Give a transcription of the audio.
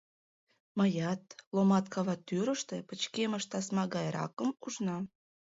Мыят, Ломат кава тӱрыштӧ пычкемыш тасма гайракым ужна.